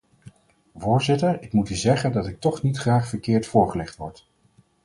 Voorzitter, ik moet u zeggen dat ik toch niet graag verkeerd voorgelicht wordt.